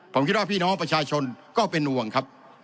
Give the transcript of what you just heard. ผมคิดว่าพี่น้องประชาชนก็เป็นห่วงครับ